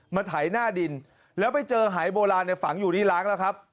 ไถหน้าดินแล้วไปเจอหายโบราณในฝังอยู่ที่ล้างแล้วครับ